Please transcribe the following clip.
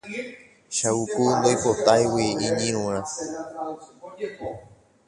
Chavuku ndoipotáigui iñirũrã